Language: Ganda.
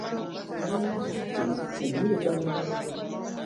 Nezudde nti nnyiga mangu.